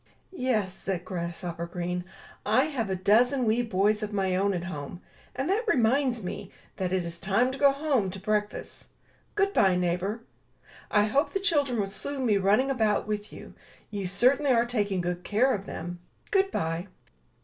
'*Yes," said Grasshopper Green, "I have a dozen wee boys of my own at home; and that reminds me that it is time to go home to breakfast! Good bye, neighbor. I hope the children will soon be running about with you. You certainly are taking good care of them. Good bye."